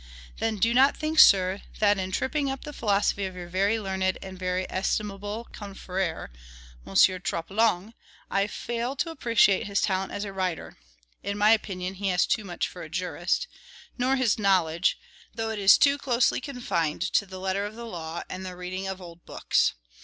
Then do not think, sir, that, in tripping up the philosophy of your very learned and very estimable confrere, M. Troplong, I fail to appreciate his talent as a writer (in my opinion, he has too much for a jurist); nor his knowledge, though it is too closely confined to the letter of the law, and the reading of old books.